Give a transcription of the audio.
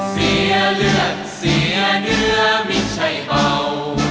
เสียเลือดเสียเนื้อไม่ใช่เบา